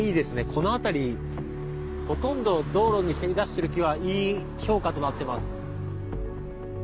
この辺りほとんど道路にせり出してる木はＥ評価となってます。